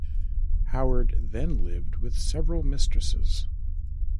Howard then lived with several mistresses.